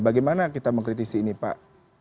bagaimana kita mengkritisi ini pak